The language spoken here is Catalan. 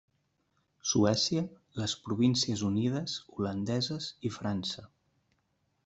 Suècia, les Províncies Unides Holandeses i França.